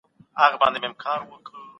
څنګه حضوري زده کړه د ټولګي نظم پياوړی کوي؟